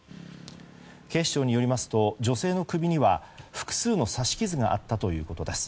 警視庁によりますと女性の首には複数の刺し傷があったということです。